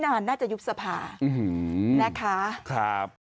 นานน่าจะยุบสภานะคะครับ